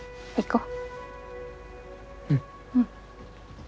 うん。